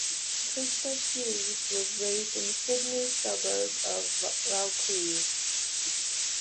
Christa Hughes was raised in the Sydney suburb of Vaucluse.